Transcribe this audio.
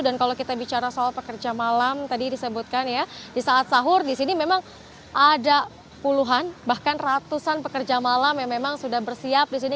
dan kalau kita bicara soal pekerja malam tadi disebutkan ya di saat sahur disini memang ada puluhan bahkan ratusan pekerja malam yang memang sudah bersiap disini